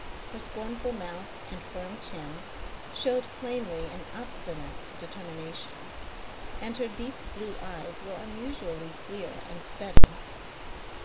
Her scornful mouth and firm chin showed plainly an obstinate determination, and her deep blue eyes were unusually clear and steady.